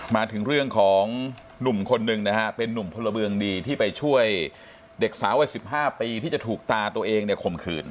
มาถึงเรื่องของหนุ่มคนหนึ่งนะฮะเป็นนุ่มพลเมืองดีที่ไปช่วยเด็กสาววัย๑๕ปีที่จะถูกตาตัวเองเนี่ยข่มขืน